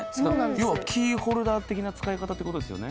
要はキーホルダー的な使い方って事ですよね？